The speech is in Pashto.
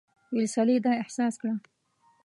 ویلسلي دا احساس کړه.